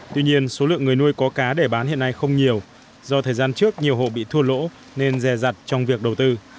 tuy nhiên số lượng người nuôi có cá để bán hiện nay không nhiều do thời gian trước nhiều hộ bị thua lỗ nên rè rặt trong việc đầu tư